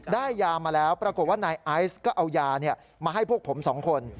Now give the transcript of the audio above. ได้ยามาแล้วปรากฏว่านายไอซ์ก็เอายามาให้พวกผมสองคน